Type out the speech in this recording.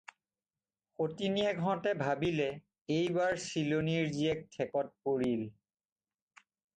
সতিনীয়েকহঁতে ভাবিলে, এইবাৰ চিলনীৰ জীয়েক ঠেকত পৰিল।